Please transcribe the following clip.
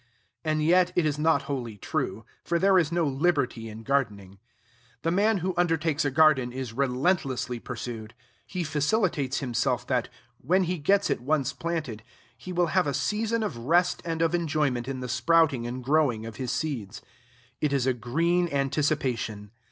And yet it is not wholly true; for there is no liberty in gardening. The man who undertakes a garden is relentlessly pursued. He felicitates himself that, when he gets it once planted, he will have a season of rest and of enjoyment in the sprouting and growing of his seeds. It is a green anticipation.